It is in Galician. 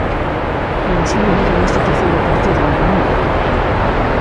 E así viviron este terceiro partido na Coruña.